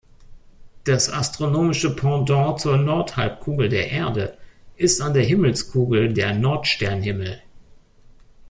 Das astronomische Pendant zur Nordhalbkugel der Erde ist an der Himmelskugel der Nordsternhimmel.